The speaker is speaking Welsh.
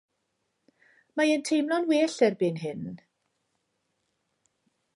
Mae e'n teimlo'n well erbyn hyn.